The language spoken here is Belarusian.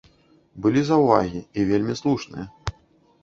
Былі заўвагі, і вельмі слушныя.